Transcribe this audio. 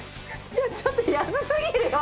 いやちょっと安すぎるよ。